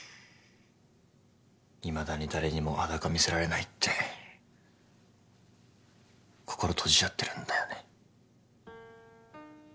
いまだに誰にも裸見せられないって心閉じちゃってるんだよね。